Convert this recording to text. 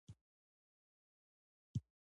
چې چا ته مې ګوته ورکړه،